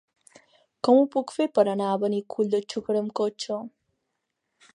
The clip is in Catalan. Com ho puc fer per anar a Benicull de Xúquer amb cotxe?